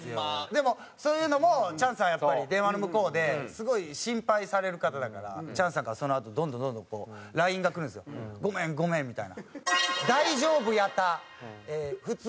でもそういうのもチャンスさんはやっぱり電話の向こうですごい心配される方だからチャンスさんからそのあとどんどんどんどんこうＬＩＮＥが来るんですよ「ごめんごめん」みたいな。